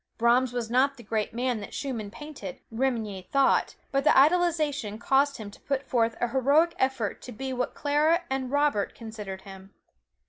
Brahms was not the great man that Schumann painted, Remenyi thought, but the idealization caused him to put forth a heroic effort to be what Clara and Robert considered him.